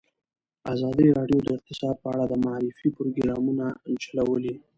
ازادي راډیو د اقتصاد په اړه د معارفې پروګرامونه چلولي.